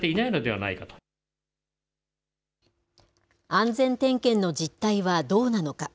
安全点検の実態はどうなのか。